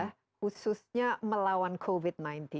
khususnya melawan covid sembilan belas